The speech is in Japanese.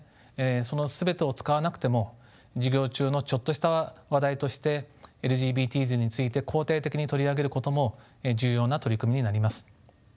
その全てを使わなくても授業中のちょっとした話題としてＬＧＢＴｓについて肯定的に取り上げることも重要な取り組みになります。